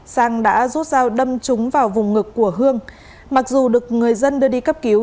sang đã rút dao đâm chúng vào vùng ngực của hương mặc dù được người dân đưa đi cấp cứu